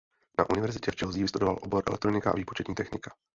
Na univerzitě v Chelsea vystudoval obor elektronika a výpočetní technika.